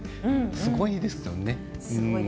すごいですよね。